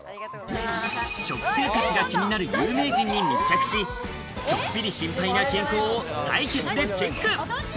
食生活が気になる有名人に密着し、ちょっぴり心配な健康を採血でチェック。